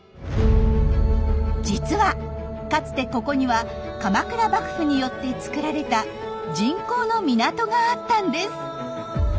実はかつてここには鎌倉幕府によって造られた人工の港があったんです。